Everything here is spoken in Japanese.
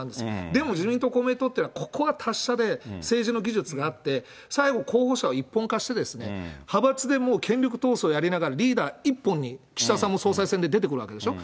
でも自民党、公明党っていうのは、ここは達者で、政治の技術があって、最後、候補者を一本化して、派閥でもう権力闘争やりながらリーダー一本に、岸田さんも総裁選で出てくるわけでしょ。